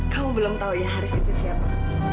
kamu belum tahu ya haris itu siapa